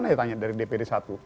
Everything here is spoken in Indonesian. saya tanya dari dpd satu